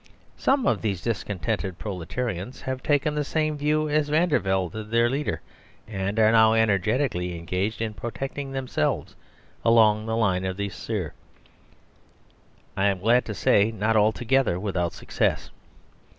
Some of these discontented proletarians have taken the same view as Vandervelde their leader, and are now energetically engaged in protecting themselves along the line of the Yser; I am glad to say not altogether without success.